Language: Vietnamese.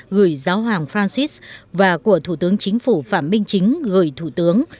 gửi giáo hoàng francis và của thủ tướng chính phủ phạm minh chính gửi thủ tướng